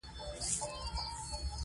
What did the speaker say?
بېنډۍ د وینې فشار کموي